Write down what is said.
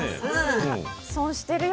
損してるよ。